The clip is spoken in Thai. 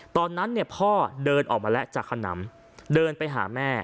ตอนนั้นพ่อเดินออกมาแล้วจากขนำเดินไปหาแม่